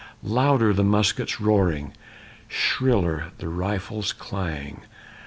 Louder the muskets' roaring! Shriller the rifles' clang!